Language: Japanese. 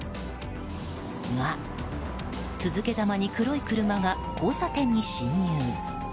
が、続けざまに黒い車が交差点に進入。